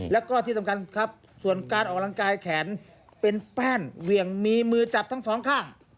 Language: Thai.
แล้วก็ที่สำคัญครับส่วนการออกกำลังกายแขนเป็นแป้นเหวี่ยงมีมือจับทั้งสองข้าง